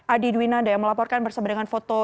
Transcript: adi dwinanda yang melaporkan berseberangan foto